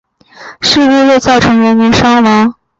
事故未造成人员伤亡。